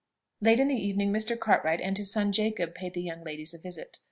Late in the evening, Mr. Cartwright and his son Jacob paid the young ladies a visit.